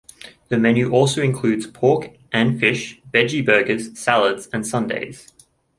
The menu also includes pork and fish, veggie burgers, salads, and sundaes.